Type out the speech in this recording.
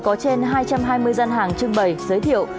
có trên hai trăm hai mươi gian hàng trưng bày giới thiệu